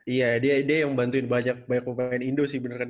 iya dia yang bantuin banyak pemain indo sih bener kan